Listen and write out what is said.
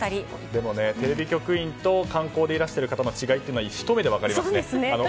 テレビ局員と観光でいらしている方の違いはひと目でわかりますね。